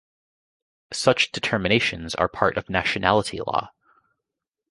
Such determinations are part of nationality law.